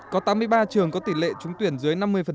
có tám mươi ba trường có tỷ lệ trúng tuyển dưới năm mươi